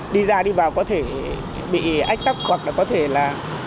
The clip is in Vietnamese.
đi ra đi vào có thể bị ách tắc hoặc là có thể là